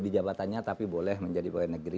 di jabatannya tapi boleh menjadi pegawai negeri